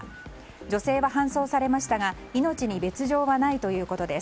女性は搬送されましたが命に別状はないということです。